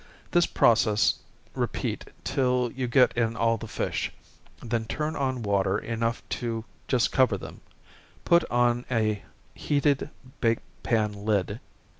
This process repeat till you get in all the fish, then turn on water enough to just cover them put on a heated bake pan lid.